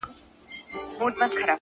د حقیقت ملګرتیا سکون راولي’